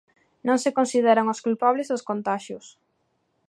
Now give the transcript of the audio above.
Non se consideran os culpables dos contaxios.